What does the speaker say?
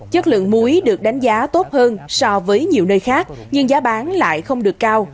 chất lượng muối được đánh giá tốt hơn so với nhiều nơi khác nhưng giá bán lại không được cao